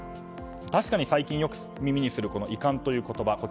確かに最近よく耳にする遺憾という言葉。